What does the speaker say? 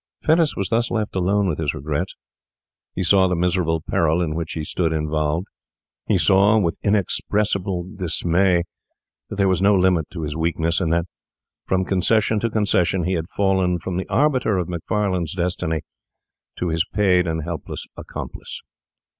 Fettes was thus left alone with his regrets. He saw the miserable peril in which he stood involved. He saw, with inexpressible dismay, that there was no limit to his weakness, and that, from concession to concession, he had fallen from the arbiter of Macfarlane's destiny to his paid and helpless accomplice.